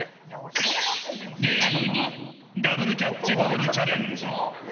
ゲーム２ダブルキャッチボールチャレンジ。